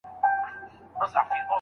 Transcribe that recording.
زوی موزيم ته ولې ولاړ؟